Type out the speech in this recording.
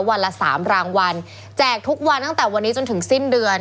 วันละสามรางวัลแจกทุกวันตั้งแต่วันนี้จนถึงสิ้นเดือน